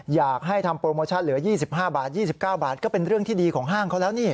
อยากให้ทำโปรโมชั่นเหลือ๒๕บาท๒๙บาทก็เป็นเรื่องที่ดีของห้างเขาแล้วนี่